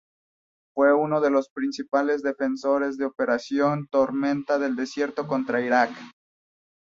Fue uno de los principales defensores de Operación Tormenta del Desierto contra Iraq.